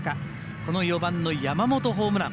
この４番の山本、ホームラン。